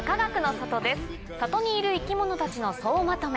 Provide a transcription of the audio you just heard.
里にいる生き物たちの総まとめ。